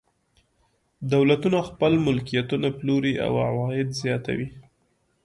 دولتونه خپل ملکیتونه پلوري او عواید زیاتوي.